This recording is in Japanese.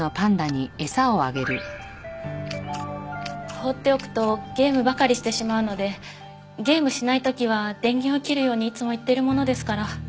放っておくとゲームばかりしてしまうのでゲームしない時は電源を切るようにいつも言っているものですから。